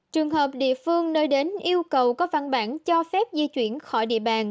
trường hợp địa phương nơi đến yêu cầu có văn bản cho phép di chuyển khỏi địa bàn